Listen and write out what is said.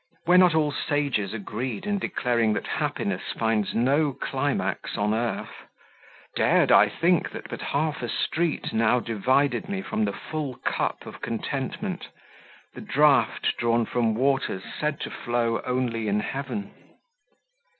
Were not all sages agreed in declaring that happiness finds no climax on earth? Dared I think that but half a street now divided me from the full cup of contentment the draught drawn from waters said to flow only in heaven?